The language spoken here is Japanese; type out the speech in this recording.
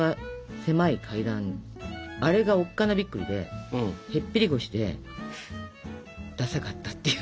あれがおっかなびっくりでへっぴり腰でダサかったっていう。